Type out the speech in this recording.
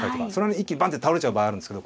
一気にバンッて倒れちゃう場合あるんですけど。